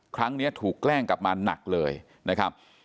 ครั้งนี้ถูกแกล้งกลับมาหนักเลยนะครับ